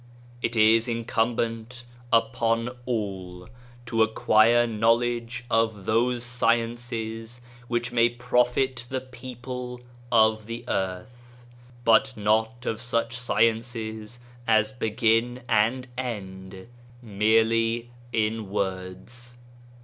It is in cumbent upon all to acquire knowledge of those sciences which may profit the people of the earthy but not of such sciences as begin and end merely in words.